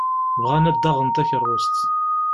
Bɣan ad d-aɣen takeṛṛust.